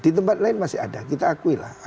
di tempat lain masih ada kita akui lah